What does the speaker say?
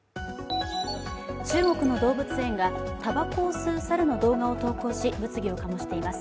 中国の動物園がたばこを吸う猿の動画を投稿し物議を醸しています。